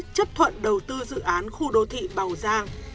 chấp thuận đầu tư dự án khu đô thị bào giang